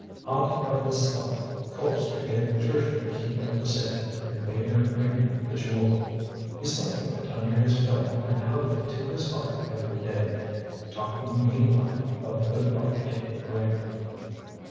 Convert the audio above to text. Haunted by this thought, Colpster gave Patricia the key of the safe and made her bring him the Jewel. He slept with it under his pillow and hugged it to his heart every day, talking meanwhile about the good luck it would bring.